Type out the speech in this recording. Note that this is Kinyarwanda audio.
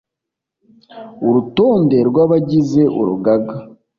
urutonde rw’abagize urugaga